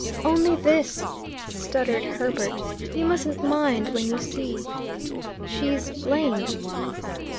"Only this" stuttered Herbert. "You mustn't mind when you see she's lame."